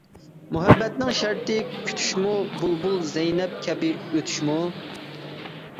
مۇھەببەتنىڭ شەرتى كۈتۈشمۇ، بۇلبۇل زەينەپ كەبى ئۆتۈشمۇ.